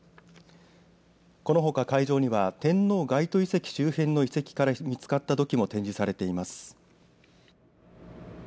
このほか会場には天王垣外遺跡周辺の遺跡から見つかった土器も展示されています。